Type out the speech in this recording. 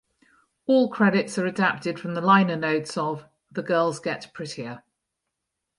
All credits are adapted from the liner notes of "The Girls Get Prettier".